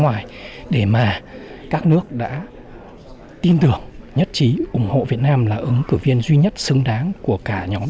ngoài để mà các nước đã tin tưởng nhất trí ủng hộ việt nam là ứng cử viên duy nhất xứng đáng của cả nhóm